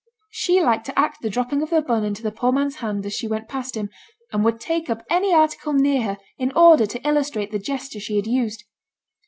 She liked to act the dropping of the bun into the poor man's hand as she went past him, and would take up any article near her in order to illustrate the gesture she had used.